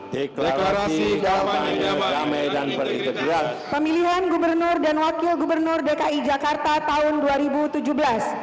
deklarasi kampanye damai dan berintegritas